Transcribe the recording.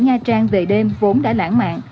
nha trang về đêm vốn đã lãng mạn